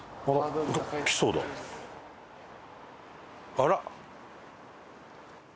あら。